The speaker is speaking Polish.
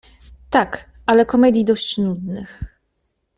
— Tak, ale komedii dość nudnych.